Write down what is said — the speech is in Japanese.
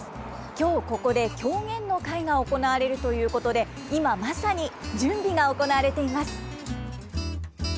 今日ここで狂言の会が行われるということで今まさに準備が行われています。